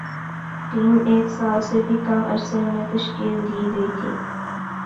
team ایک سال سے بھی کم عرصے میں تشکیل دی گئی تھی